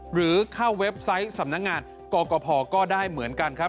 หรือเข้าเว็บไซต์สำนักงานกรกภก็ได้เหมือนกันครับ